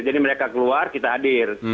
jadi mereka keluar kita hadir